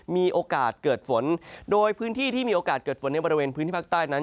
มีโอกาสเกิดฝนโดยพื้นที่ที่มีโอกาสเกิดฝนในบริเวณพื้นที่ภาคใต้นั้น